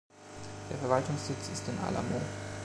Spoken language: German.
Der Verwaltungssitz ist in Alamo.